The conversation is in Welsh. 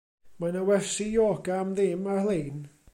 Mae 'na wersi yoga am ddim ar-lein.